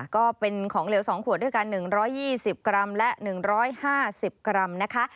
ก็เป็นของเหลว๒ขวดด้วยกัน๑๒๐กรัมและ๑๕๐กรัมนะคะ